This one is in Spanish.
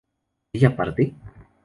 ¿ella parte?